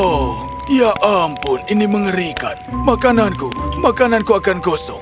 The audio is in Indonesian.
oh ya ampun ini mengerikan makananku makananku akan gosong